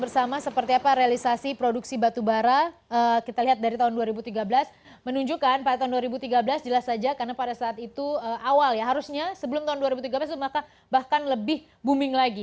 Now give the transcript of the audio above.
bersama seperti apa realisasi produksi batubara kita lihat dari tahun dua ribu tiga belas menunjukkan pada tahun dua ribu tiga belas jelas saja karena pada saat itu awal ya harusnya sebelum tahun dua ribu tiga belas maka bahkan lebih booming lagi